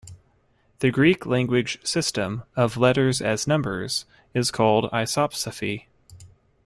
The Greek language system of letters-as-numbers is called isopsephy.